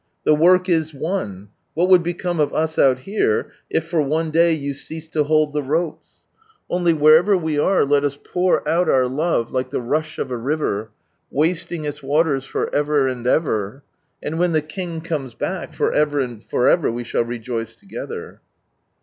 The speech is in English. The work is one, what would become of ns, out here, if for one day you ceased to " hold the ropes "? Only, wherever we are, lei us pour out our "love like the rush of a river, wasting its waters for ever and ever,' and when the King comes back, for ever and for ever we shall rejoice together.